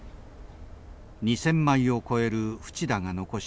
２，０００枚を超える淵田が残した原稿。